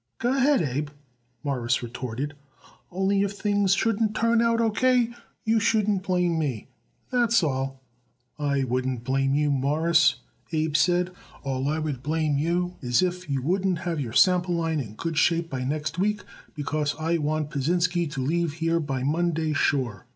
"Go ahead, Abe," Morris retorted. "Only, if things shouldn't turn out O. K. you shouldn't blame me. That's all." "I wouldn't blame you, Mawruss," Abe said. "All I would blame you is if you wouldn't have our sample line in good shape by next week, because I want Pasinsky to leave here by Monday sure."